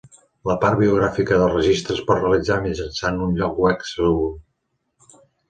La part biogràfica del registre es pot realitzar mitjançant un lloc web segur.